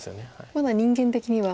まだ人間的には。